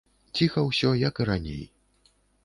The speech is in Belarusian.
Ціха ўсё, як і раней.